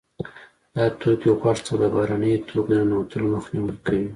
دا توکي غوږ ته د بهرنیو توکو د ننوتلو مخنیوی کوي.